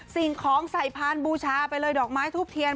สิ่งของใส่พานบูชาไปเลยดอกไม้ทูบเทียน